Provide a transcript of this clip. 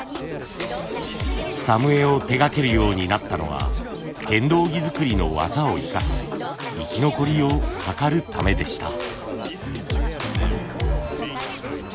作務衣を手がけるようになったのは剣道着作りの技を生かし生き残りを図るためでした。